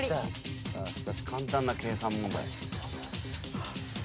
しかし簡単な計算問題。